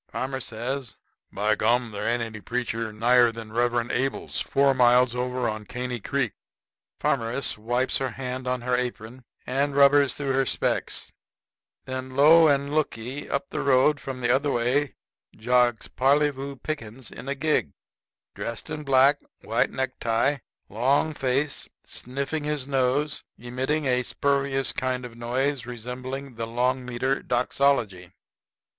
Farmer says, "B'gum there ain't any preacher nigher than Reverend Abels, four miles over on Caney Creek." Farmeress wipes her hand on her apron and rubbers through her specs. [Illustration: She is a peach and of the cling variety.] Then, lo and look ye! Up the road from the other way jogs Parleyvoo Pickens in a gig, dressed in black, white necktie, long face, sniffing his nose, emitting a spurious kind of noise resembling the long meter doxology.